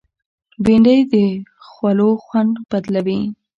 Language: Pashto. بېنډۍ د خولو خوند بدلوي